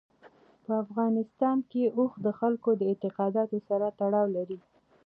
په افغانستان کې اوښ د خلکو د اعتقاداتو سره تړاو لري.